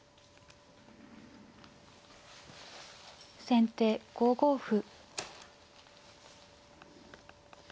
先手５五歩。